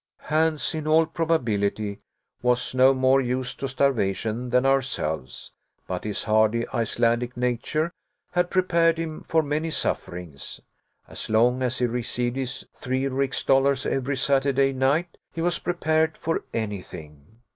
Hans, in all probability, was no more used to starvation than ourselves, but his hardy Icelandic nature had prepared him for many sufferings. As long as he received his three rix dollars every Saturday night, he was prepared for anything.